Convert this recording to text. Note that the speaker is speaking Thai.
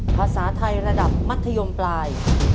ภาษาไทยระดับมัธยมปลาย